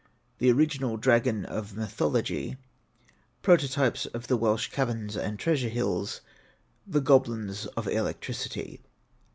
The Original Dragon of Mythology Prototypes of the Welsh Caverns and Treasure Hills The Goblins of Electricity.